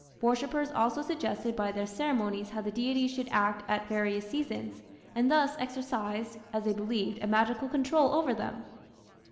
Worshippers also suggested by their ceremonies how the deities should act at various seasons, and thus exercised, as they believed, a magical control over them.